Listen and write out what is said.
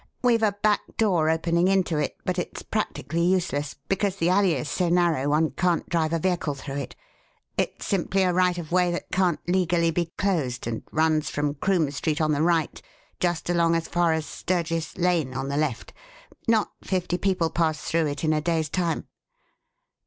We've a back door opening into it, but it's practically useless, because the alley is so narrow one can't drive a vehicle through it. It's simply a right of way that can't legally be closed and runs from Croom Street on the right just along as far as Sturgiss Lane on the left. Not fifty people pass through it in a day's time.